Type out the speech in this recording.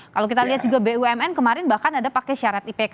kalau kita lihat juga bumn kemarin bahkan ada pakai syarat ipk